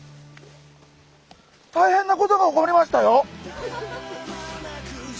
大変なことが起こりましたよ！